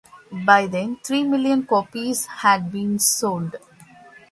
By then three million copies had been sold.